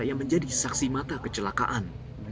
yang menjadi saksi mata kecelakaan